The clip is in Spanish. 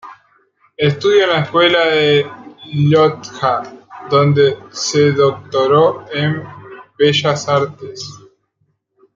Estudió en la Escuela de la Llotja, donde se doctoró en Bellas Artes.